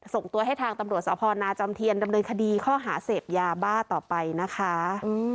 ส่งตัวให้ทางตำรวจสพนาจอมเทียนดำเนินคดีข้อหาเสพยาบ้าต่อไปนะคะ